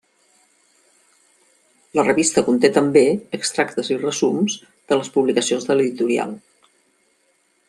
La revista conté també extractes i resums de les publicacions de l'editorial.